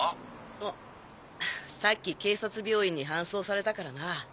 あっさっき警察病院に搬送されたからな。